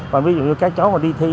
mà ví dụ như các cháu mà đi thi